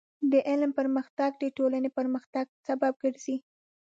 د علم پرمختګ د ټولنې پرمختګ سبب ګرځي.